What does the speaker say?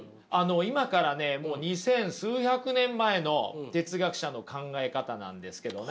今からねもう二千数百年前の哲学者の考え方なんですけどね。